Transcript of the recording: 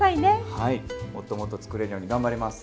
はいもっともっと作れるように頑張ります。